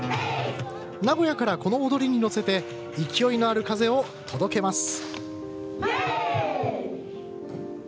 名古屋からこの踊りにのせて勢いのある風を届けます。